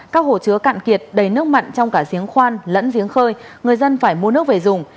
các hồ chứa cạn kiệt đầy nước mặn trong cả giếng khoan lẫn giếng khơi người dân phải mua nước về dùng